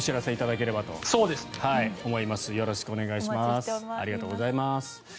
ありがとうございます。